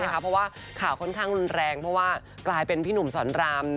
เพราะว่าข่าวค่อนข้างรุนแรงเพราะว่ากลายเป็นพี่หนุ่มสอนราม